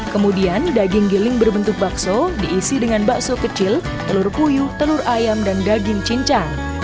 kemudian daging giling berbentuk bakso diisi dengan bakso kecil telur puyuh telur ayam dan daging cincang